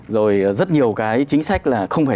rồi rất nhiều cái chính sách là không phải